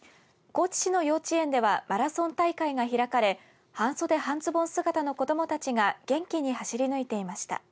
高知市の幼稚園ではマラソン大会が開かれ半袖半ズボン姿の子どもたちが元気に走り抜いていました。